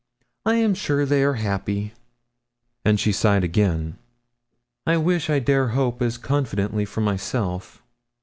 I am sure they are happy.' And she sighed again. 'I wish I dare hope as confidently for myself.